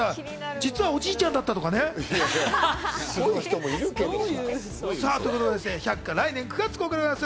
実はおじいちゃんだったとかね。ということで『百花』来年９月公開です。